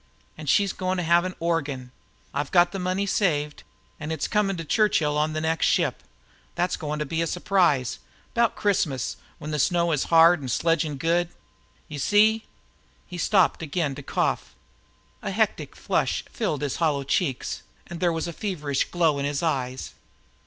An' she's goin' to have an organ. I've got the money saved, an' it's coming to Churchill on the next ship. That's goin' to be a surprise 'bout Christmas, when the snow is hard an' sledging good. You see " He stopped again to cough. A hectic flush filled his hollow cheeks, and there was a feverish glow in his eyes.